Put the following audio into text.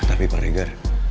tapi pak reger